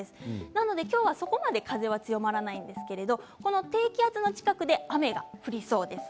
なので今日はそこまで風は強まらないんですけれどもこの低気圧の近くで雨が降りそうです。